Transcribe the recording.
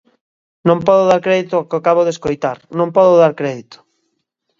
Non podo dar crédito ao que acabo de escoitar, non podo dar crédito.